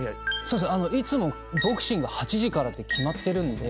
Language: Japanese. いつもボクシング８時からって決まってるんで。